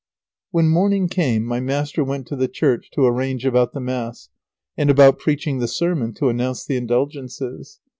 When morning came my master went to the church to arrange about the Mass, and about preaching the sermon to announce the Indulgences.